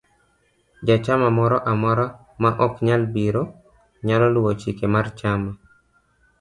Jachamamoro amora ma ok nyal biro, nyalo luwo chik mar chama